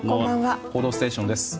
「報道ステーション」です。